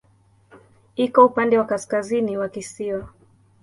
Iko upande wa kaskazini wa kisiwa.